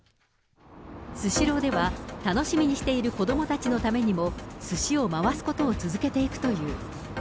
スシローでは、楽しみにしている子どもたちのためにも、すしを回すことを続けていくという。